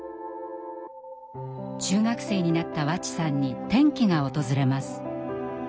中学生になった和智さんに転機が訪れます。